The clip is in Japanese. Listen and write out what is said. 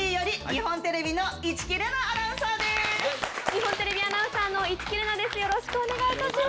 日本テレビアナウンサーの市來玲奈です